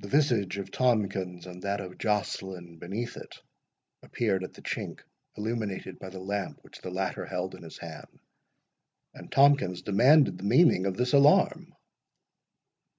The visage of Tomkins, and that of Joceline beneath it, appeared at the chink, illuminated by the lamp which the latter held in his hand, and Tomkins demanded the meaning of this alarm.